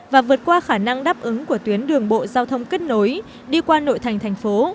và vượt qua khả năng đáp ứng của tuyến đường bộ giao thông kết nối đi qua nội thành thành phố